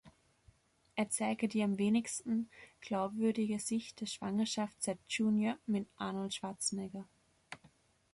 Er zeige die am wenigsten glaubwürdige Sicht der Schwangerschaft seit "Junior" mit Arnold Schwarzenegger.